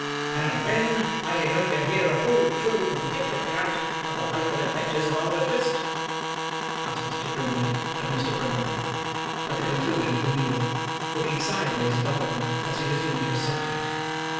"And when are you going to hear a full, true, and particular account of the life and adventures of Oliver Twist?" asked Grimwig of Mr. Brownlow, at the conclusion of the meal; looking sideways at Oliver, as he resumed his subject.